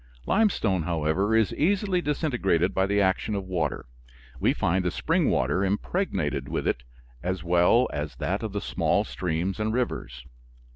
Limestone, however, is easily disintegrated by the action of water. We find the spring water impregnated with it as well as that of the small streams and rivers.